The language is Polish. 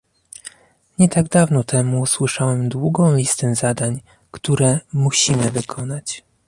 Nie tak dawno temu usłyszałam długą listę zadań, które "musimy wykonać"